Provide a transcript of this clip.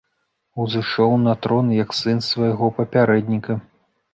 Узышоў на трон як сын свайго папярэдніка.